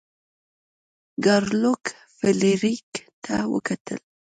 ګارلوک فلیریک ته وکتل.